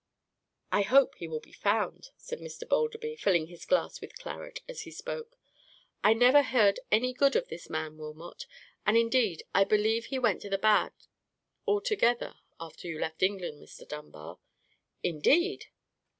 "I hope he will be found," said Mr. Balderby, filling his glass with claret as he spoke; "I never heard any good of this man Wilmot, and, indeed, I believe he went to the bad altogether after you left England, Mr. Dunbar." "Indeed!"